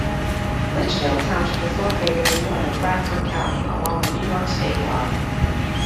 Litchfield Township is located in northern Bradford County, along the New York state line.